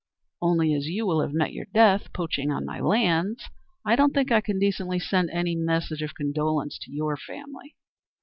Only as you will have met your death poaching on my lands I don't think I can decently send any message of condolence to your family."